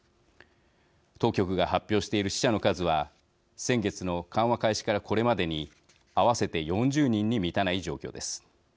当局が発表している死者の数は先月の緩和開始からこれまでに合わせて４０人に満たない状況です。